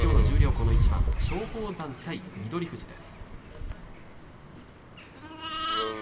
この一番松鳳山対翠富士です。